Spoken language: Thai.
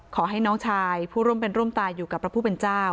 ขอให้น้องชายผู้ร่วมเป็นร่วมตายอยู่กับพระผู้เป็นเจ้า